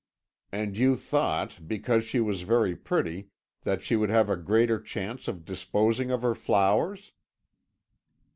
"And you thought, because she was very pretty, that she would have a greater chance of disposing of her flowers."